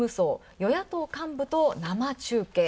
与野党幹部と生中継」。